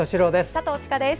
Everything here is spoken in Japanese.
佐藤千佳です。